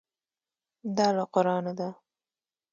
دا له قرانه ده.